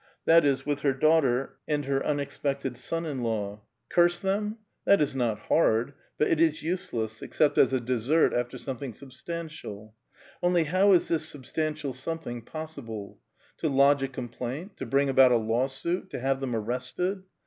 that is, with her daughter ^tid her unexpected son in law. Curse them? that is not hard : but it is useless, except as a dessert after something Bnhstantial. Only how is this substantfal something possi ble? To lodge a complaint, to bring about a lawsuit, to have them arrested